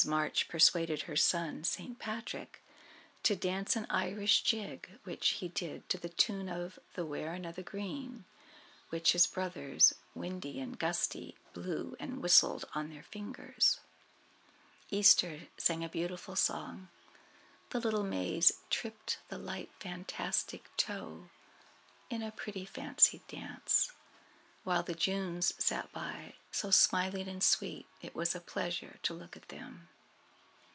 March persuaded her son, St. Patrick, to dance an Irish Jig, which he did to the tune of the "Wearing of the Green," which his brothers, Windy and Gusty, blew and whistled on their fingers. Easter sang a beautiful song, the little Mays "tripped the light fantastic toe" in a pretty fancy dance, while the Junes sat by so smiling and sweet it was a pleasure to look at them.